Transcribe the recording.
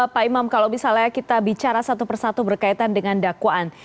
pak imam kalau misalnya kita bicara satu persatu berkaitan dengan dakwaan